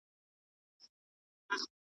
له لېوه سره په پټه خوله روان سو .